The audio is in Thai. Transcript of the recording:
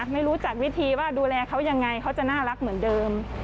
ไม่รู้จักวิธีว่าดูแลเขายังไงเขาจะน่ารักเหมือนเดิม